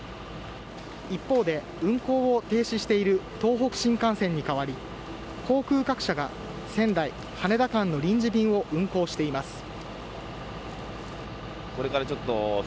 一方で運行を停止している東北新幹線に代わり航空各社が仙台羽田間の臨時便を運航しています。